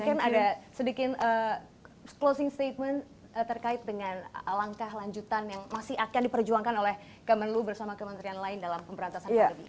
mungkin ada sedikit closing statement terkait dengan langkah lanjutan yang masih akan diperjuangkan oleh kemenlu bersama kementerian lain dalam pemberantasan pandemi